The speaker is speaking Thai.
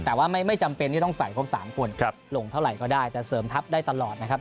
แต่ว่าไม่จำเป็นที่ต้องใส่ครบ๓คนลงเท่าไหร่ก็ได้แต่เสริมทัพได้ตลอดนะครับ